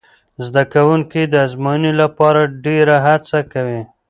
زده کوونکي د ازموینې لپاره ډېره هڅه کوي.